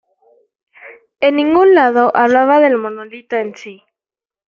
En ningún lado hablaba del monolito en sí".